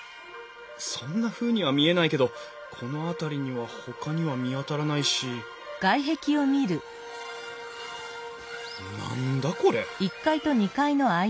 そんなふうには見えないけどこの辺りにはほかには見当たらないし何だこれ！？